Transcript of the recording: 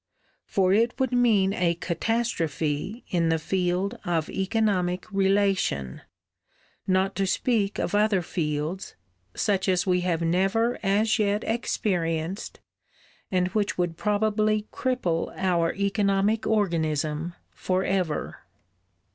For it would mean a catastrophe in the field of economic relation, not to speak of other fields, such as we have never as yet experienced and which would probably cripple our economic organism forever."